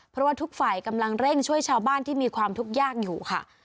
เพราะว่าทุกฝ่ายกำลังเร่งช่วยชาวบ้านที่มีความทุกข์ยากอยู่ค่ะ